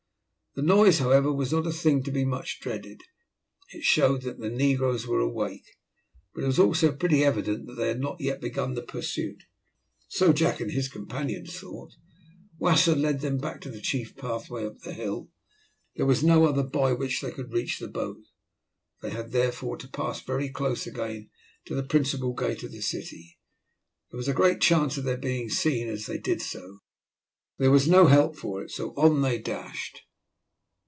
The noise, however, was not a thing to be much dreaded. It showed that the negroes were awake, but it was also pretty evident that they had not yet begun the pursuit, so Jack and his companions thought. Wasser led them back into the chief pathway up the hill. There was no other by which they could reach the boat. They had, therefore, to pass very close again to the principal gate of the city. There was a great chance of their being seen as they did so. There was no help for it, so on they dashed.